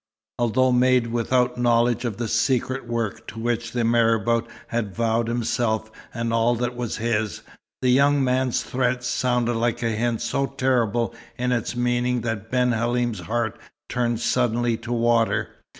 Although made without knowledge of the secret work to which the marabout had vowed himself and all that was his, the young man's threat sounded like a hint so terrible in its meaning that Ben Halim's heart turned suddenly to water.